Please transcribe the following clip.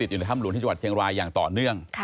อยู่ในถ้ำหลวงที่จังหวัดเชียงรายอย่างต่อเนื่อง